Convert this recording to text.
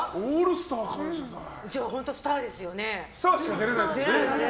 スターしか出れないですもんね。